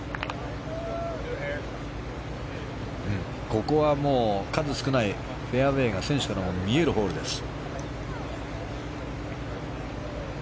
ここはもう、数少ないフェアウェーが選手から見えるホールです。